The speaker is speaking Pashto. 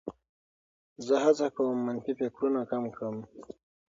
زه هڅه کوم منفي فکرونه کم کړم.